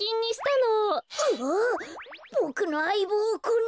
ボクのあいぼうをこんなふうに。